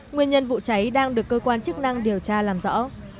nguyên nhân vụ cháy đang được cơ quan chức năng điều tra làm rõ